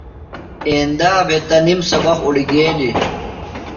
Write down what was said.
ایندا بھےۡ تنِم سبق اُڑیۡ گیلیۡ۔